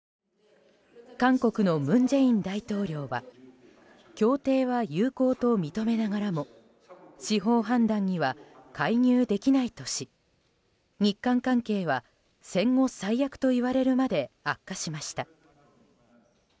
韓国の文在寅大統領は協定は有効と認めながらも司法判断には介入できないとし日韓関係は、戦後最悪といわれるまで悪化しました。